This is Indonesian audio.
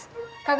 kagak mau maju